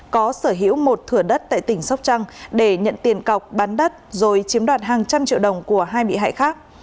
có sở hữu một thửa đất tại tỉnh sóc trăng để nhận tiền cọc bán đất rồi chiếm đoạt hàng trăm triệu đồng của hai bị hại khác